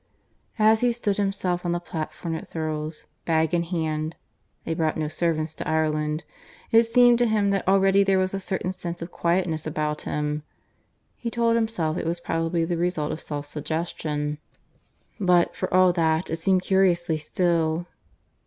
As he stood himself on the platform at Thurles, bag in hand (they brought no servants to Ireland), it seemed to him that already there was a certain sense of quietness about him. He told himself it was probably the result of self suggestion. But, for all that, it seemed curiously still.